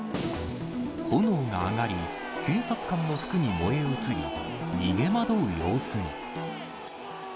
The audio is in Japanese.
炎が上がり、警察官の服に燃え移り、逃げ惑う様子も。